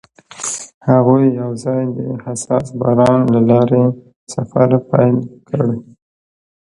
هغوی یوځای د حساس باران له لارې سفر پیل کړ.